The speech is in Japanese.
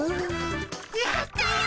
やったよ。